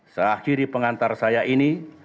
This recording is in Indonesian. seakhiri pengantar saya ini